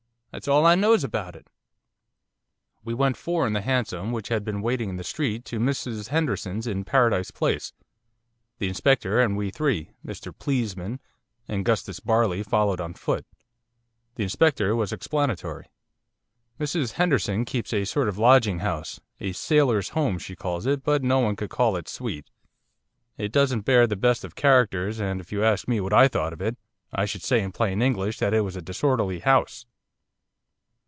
That's all I knows about it.' We went four in the hansom which had been waiting in the street to Mrs Henderson's in Paradise Place, the Inspector and we three. 'Mr Pleesman' and ''Gustus Barley' followed on foot. The Inspector was explanatory. 'Mrs Henderson keeps a sort of lodging house, a "Sailors' Home" she calls it, but no one could call it sweet. It doesn't bear the best of characters, and if you asked me what I thought of it, I should say in plain English that it was a disorderly house.